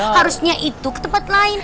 harusnya itu ke tempat lain